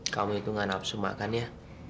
kamu itu gak nafsu makan ya